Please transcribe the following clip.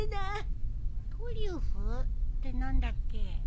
トリュフ？って何だっけ？